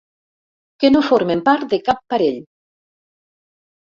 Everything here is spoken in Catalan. Que no formen part de cap parell.